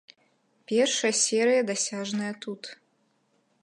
Першая серыя дасяжная тут.